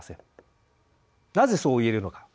なぜそう言えるのか。